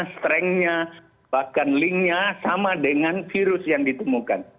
strengnya bahkan linknya sama dengan virus yang ditemukan